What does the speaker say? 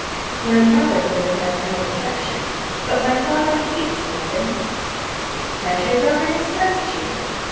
"My mother would have no objection, but my father hates London." "Has your governess left you?"